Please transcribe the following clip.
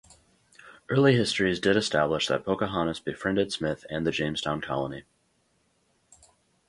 Early histories did establish that Pocahontas befriended Smith and the Jamestown colony.